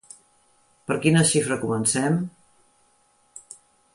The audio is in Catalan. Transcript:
Per quina xifra comencem?